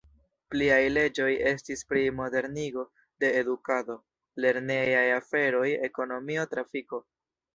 Pliaj leĝoj estis pri modernigo de edukado, lernejaj aferoj, ekonomio, trafiko.